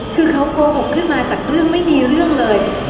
คือเขาโกหกขึ้นมาจากเรื่องไม่มีเรื่องเลย